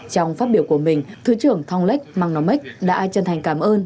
trong phát biểu của mình thứ trưởng thong lech mang nong mech đã chân thành cảm ơn